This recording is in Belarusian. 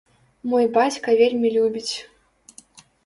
Мой бацька вельмі любіць.